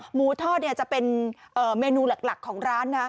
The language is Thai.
หมูทอดเนี่ยจะเป็นเมนูหลักของร้านนะ